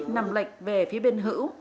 nằm lệch về phía bên hữu